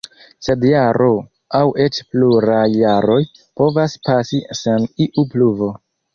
Sed jaro, aŭ eĉ pluraj jaroj, povas pasi sen iu pluvo.